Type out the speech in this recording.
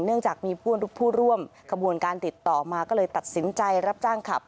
เนื่องจากมีผู้ร่วมขบวนการติดต่อมาก็เลยตัดสินใจรับจ้างขับ